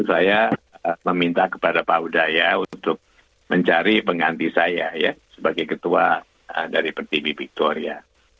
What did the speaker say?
saya meminta kepada pak udaya untuk mencari pengganti saya ya sebagai ketua dari per tv victoria